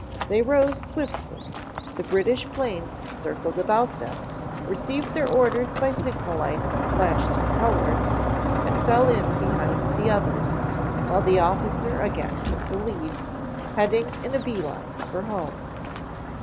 They rose swiftly, the British planes circled about them, received their orders by signal lights flashed in colors, and fell in behind the others, while the officer again took the lead; heading in a bee line for home.